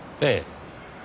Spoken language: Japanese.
ええ。